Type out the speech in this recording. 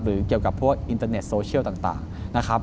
เกี่ยวกับพวกอินเตอร์เน็ตโซเชียลต่างนะครับ